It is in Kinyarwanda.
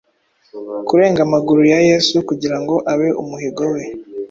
Kurenga amaguru ya Yesu, kugirango abe umuhigo we,